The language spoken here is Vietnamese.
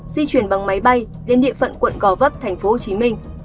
di chuyển bằng máy bay đến địa phận quận gò vấp thành phố hồ chí minh